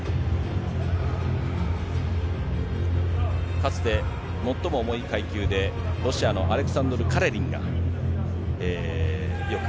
かつて、最も重い階級で、ロシアのアレキサンドル・カレリンがよく。